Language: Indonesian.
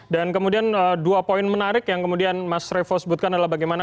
dan kemudian dua poin menarik yang kemudian mas revo sebutkan adalah bagaimana